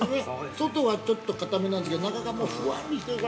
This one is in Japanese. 外はちょっとかためなんですけど、中がもうふわりというか。